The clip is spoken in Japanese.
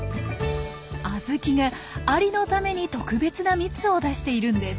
アズキがアリのために特別な蜜を出しているんです。